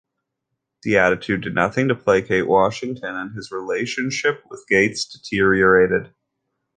This attitude did nothing to placate Washington, and his relationship with Gates deteriorated.